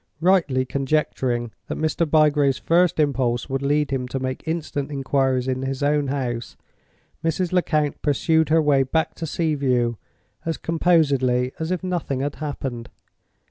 Rightly conjecturing that Mr. Bygrave's first impulse would lead him to make instant inquiries in his own house, Mrs. Lecount pursued her way back to Sea View as composedly as if nothing had happened.